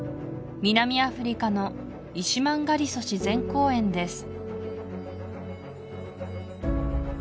南アフリカのイシマンガリソ自然公園です